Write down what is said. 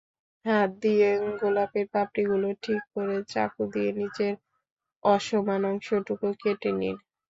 হাত দিয়ে গোলাপের পাপড়িগুলো ঠিক করে চাকু দিয়ে নিচের অসমান অংশটুকু কেটে নিন।